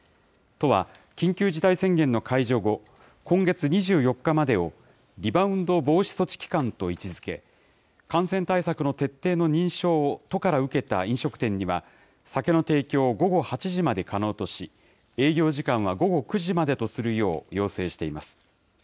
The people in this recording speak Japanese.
都は緊急事態宣言の解除後、今月２４日までをリバウンド防止措置期間と位置づけ、感染対策の徹底の認証を都から受けた飲食店には、酒の提供を午後８時まで可能とし、営業時間は午後９時までとするよう要請しています。